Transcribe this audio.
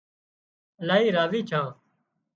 لاهي راضي ڇان هانَ